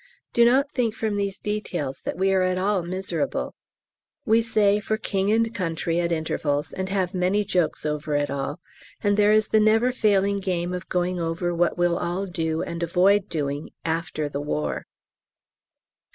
Do not think from these details that we are at all miserable; we say "For King and Country" at intervals, and have many jokes over it all, and there is the never failing game of going over what we'll all do and avoid doing After the War.